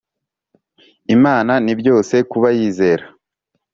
Imana ni byose kuba yizera